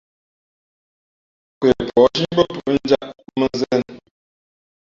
Nkwe pα̌h zhí mbʉ́ά pūꞌ njāꞌ mᾱnzēn.